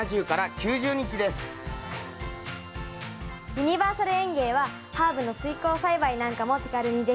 ユニバーサル園芸はハーブの水耕栽培なんかも手軽にできておすすめです。